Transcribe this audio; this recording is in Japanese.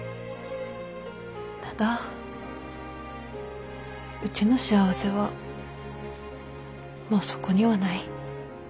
ただうちの幸せはもうそこにはない。